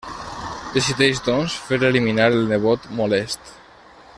Decideix doncs fer eliminar el nebot molest.